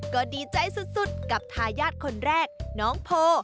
ก็ดีใจสุดกับทายาทคนแรกน้องโพ